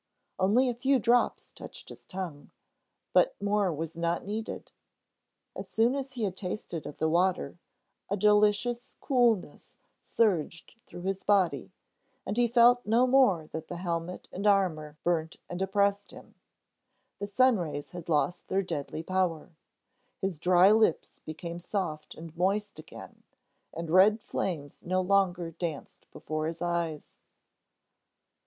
Only a few drops touched his tongue, but more was not needed. As soon as he had tasted of the water, a delicious coolness surged through his body, and he felt no more that the helmet and armor burnt and oppressed him. The sunrays had lost their deadly power. His dry lips became soft and moist again, and red flames no longer danced before his eyes.